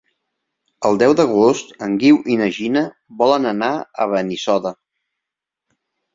El deu d'agost en Guiu i na Gina volen anar a Benissoda.